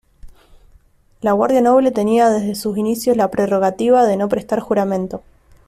La Guardia Noble tenía desde sus inicios la prerrogativa de no prestar juramento.